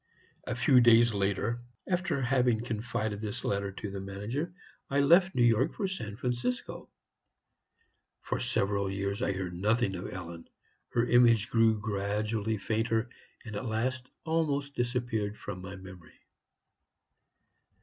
"A few days later, after having confided this letter to the manager, I left New York for San Francisco. For several years I heard nothing of Ellen; her image grew gradually fainter, and at last almost disappeared from my memory.